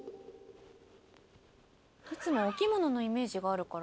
［いつもお着物のイメージがあるから。］